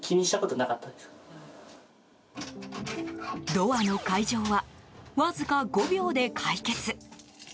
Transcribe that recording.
ドアの開錠はわずか５秒で解決。